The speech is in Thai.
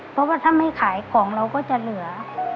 เพราะว่าถ้าไม่ขายของเราก็จะเหลือ